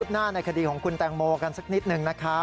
คืบหน้าในคดีของคุณตังโมกันสักนิดหนึ่งนะครับ